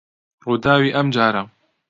ڕووداوی ئەم جارە